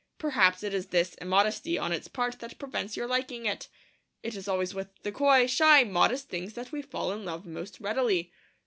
Perhaps it is this immodesty on its part that prevents your liking it. It is always with the coy, shy, modest things that we fall in love most readily.